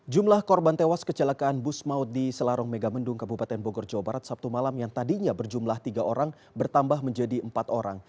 jumlah korban tewas kecelakaan bus maut di selarong megamendung kabupaten bogor jawa barat sabtu malam yang tadinya berjumlah tiga orang bertambah menjadi empat orang